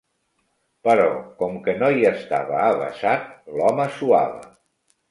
Però com que no hi estava avesat, l'home suava